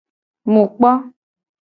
Mu kpo.